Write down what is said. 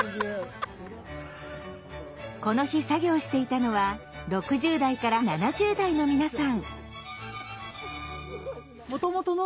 この日作業していたのは６０代から７０代の皆さん。